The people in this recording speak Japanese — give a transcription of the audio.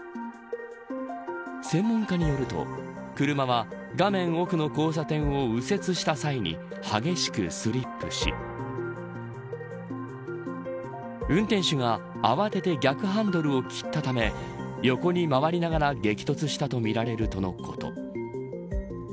専門家によると車は画面奥の交差点を右折した際に激しくスリップし運転手が慌てて逆ハンドルを切ったため横に回りながら激突したとみられるとのこと。